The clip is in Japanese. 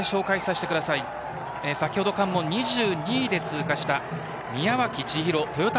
先ほど関門を２２位で通過した宮脇千博。